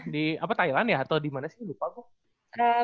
di thailand ya atau dimana sih